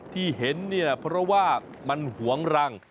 ที่เห็นเนี่ยเพราะว่ามันหวงรัง